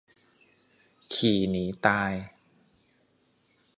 ขี่หนีตาย